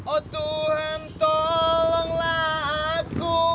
oh tuhan tolonglah aku